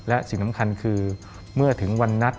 และสิ่งสำคัญคือเมื่อถึงวันนัด